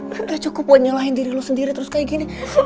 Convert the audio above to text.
udah cukup buat nyalahin diri lo sendiri terus kaya gini